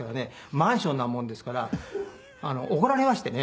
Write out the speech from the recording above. マンションなもんですから怒られましてね。